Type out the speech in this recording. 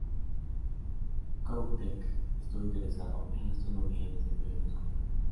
Kohoutek estuvo interesado en la astronomía desde periodo escolar.